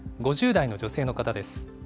５０代の女性の方です。